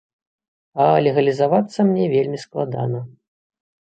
А легалізавацца мне вельмі складана.